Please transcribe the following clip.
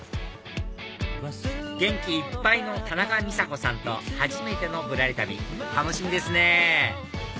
元気いっぱいの田中美佐子さんと初めての『ぶらり旅』楽しみですね